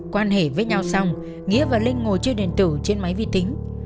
quan hệ với nhau xong nghĩa và linh ngồi chơi điện tử trên máy vi tính